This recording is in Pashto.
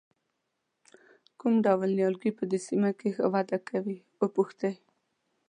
کوم ډول نیالګي په دې سیمه کې ښه وده کوي وپوښتئ.